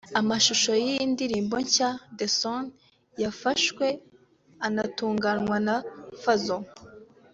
Amashusho y’iyi ndirimbo nshya The Son yafashwe anatunganywa na Fayzo